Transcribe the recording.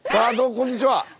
こんにちは。